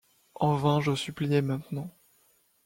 En vain je suppliais maintenant.